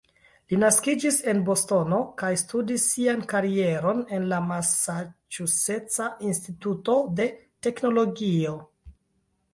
Li naskiĝis en Bostono kaj studis sian karieron en la Masaĉuseca Instituto de Teknologio.